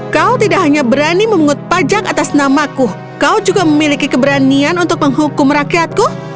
kau tidak hanya berani memungut pajak atas namaku kau juga memiliki keberanian untuk menghukum rakyatku